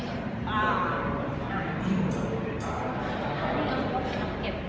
อย่าเกินอย่าเกิน